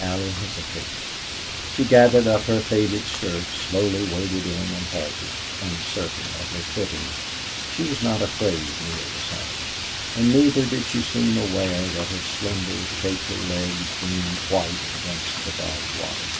Allie hesitated. She gathered up her faded skirt, slowly waded in and halted, uncertain of her footing. She was not afraid, Neale decided, and neither did she seem aware that her slender, shapely legs gleamed white against the dark water.